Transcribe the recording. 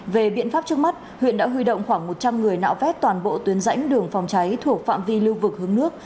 về biện pháp trước mắt huyện đã huy động khoảng một trăm linh người nạo vét toàn bộ tuyến rãnh đường phòng cháy thuộc phạm vi lưu vực hướng nước